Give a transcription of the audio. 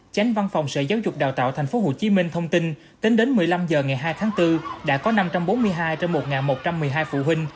chánh văn phòng sở giáo dục đào tạo tp hcm thông tin tính đến một mươi năm h ngày hai tháng bốn đã có năm trăm bốn mươi hai trong một một trăm một mươi hai phụ huynh